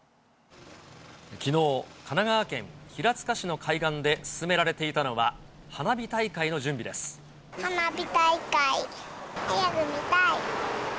きのう、神奈川県平塚市の海岸で進められていたのは、花火大会。早く見たい！